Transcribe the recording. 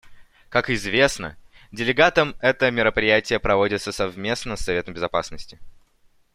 Как известно делегатам, это мероприятие проводится совместно с Советом Безопасности.